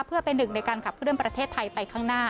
เพื่อเป็นหนึ่งในการขับเคลื่อนประเทศไทยไปข้างหน้า